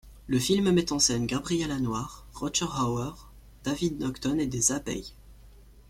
Le film met en scène Gabrielle Anwar, Rutger Hauer, David Naughton et des abeilles.